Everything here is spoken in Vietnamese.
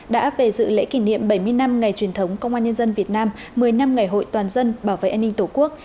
đã về dự lễ kỷ niệm bảy mươi năm ngày truyền thống công an nhân dân việt nam một mươi năm ngày hội toàn dân bảo vệ an ninh tổ quốc